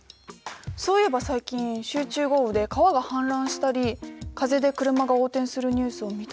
そういえば最近集中豪雨で川が氾濫したり風で車が横転するニュースを見た気がする。